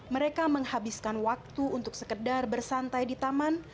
mereka menghabiskan waktu untuk sekedar bersantai di taman